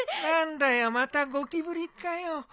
何だよまたゴキブリかよ。